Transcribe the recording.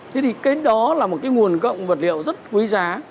thế thì cái đó là một cái nguồn gốc vật liệu rất quý giá